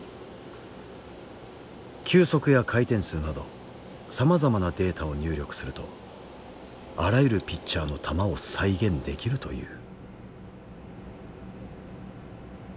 球速や回転数などさまざまなデータを入力するとあらゆるピッチャーの球を再現できるという。